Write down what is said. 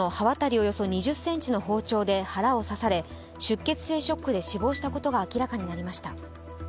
およそ２０ｃｍの包丁で腹を刺され出血性ショックで死亡したことが明らかになりました。